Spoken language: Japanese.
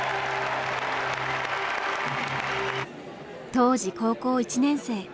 当時高校１年生。